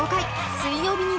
水曜日には。